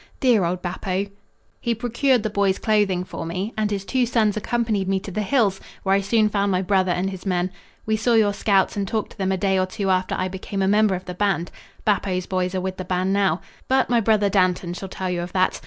Dear old Bappo! He procured the boy's clothing for me and his two sons accompanied me to the hills, where I soon found my brother and his men. We saw your scouts and talked to them a day or two after I became a member of the band. Bappo's boys are with the band now. But my brother Dantan shall tell you of that.